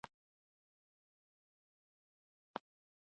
چي دي مټو كي لا پاته څه قوت وي